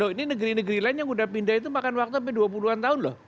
ini negeri negeri lain yang udah pindah itu makan waktu sampai dua puluh an tahun loh